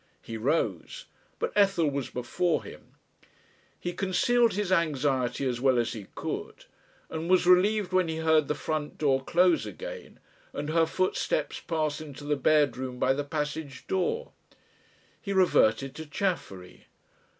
He rose, but Ethel was before him. He concealed his anxiety as well as he could; and was relieved when he heard the front door close again and her footsteps pass into the bedroom by the passage door. He reverted to Chaffery.